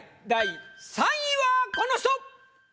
第３位はこの人！